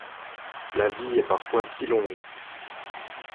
La vie est parfois si longue.